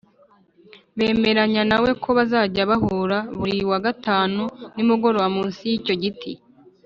bemeranya na we ko bazajya bahura buri wa gatanu nimugoroba munsi y’icyo giti